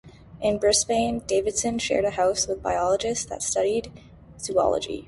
In Brisbane, Davidson shared a house with biologists and studied zoology.